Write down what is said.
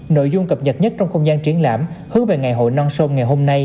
nội dung cập nhật nhất trong không gian triển lãm hướng về ngày hội non sông ngày hôm nay